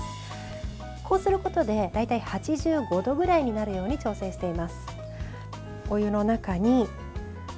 こうすることで大体８５度くらいになるように調整しています。